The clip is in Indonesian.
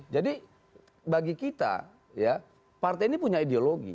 jadi bagi kita ya partai ini punya ideologi